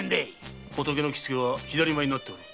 仏の着付けは左前になっておる。